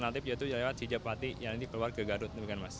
maksudnya jalan lintas di jepati yang dikeluar ke garut